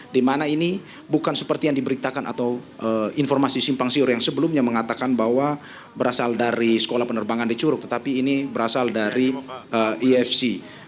di mana ini bukan seperti yang diberitakan atau informasi simpang siur yang sebelumnya mengatakan bahwa berasal dari sekolah penerbangan di curug tetapi ini berasal dari efc